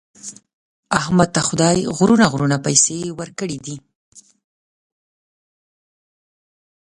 احمد ته خدای غرونه غرونه پیسې ورکړي دي.